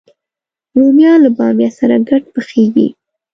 رومیان له بامیه سره ګډ پخېږي